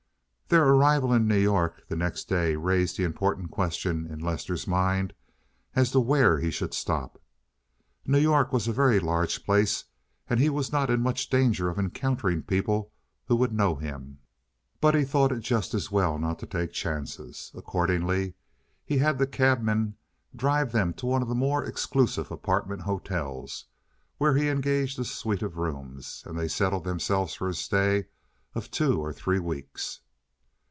Their arrival in New York the next day raised the important question in Lester's mind as to where he should stop. New York was a very large place, and he was not in much danger of encountering people who would know him, but he thought it just as well not to take chances. Accordingly he had the cabman drive them to one of the more exclusive apartment hotels, where he engaged a suite of rooms; and they settled themselves for a stay of two or three weeks.